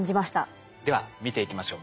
では見ていきましょう。